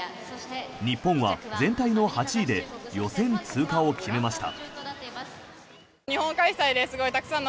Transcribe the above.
日本は全体の８位で予選通過を決めました。